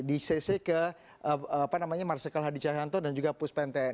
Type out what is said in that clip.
disese ke apa namanya marsikal hadi cahanto dan juga pus pente